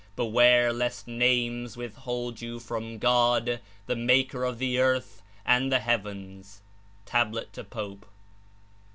Beware lest names withhold you from God, the Maker of the earth and the heav ens." (Tab. to Pope.)